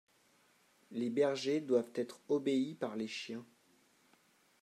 les bergers doivent être obéis par les chiens.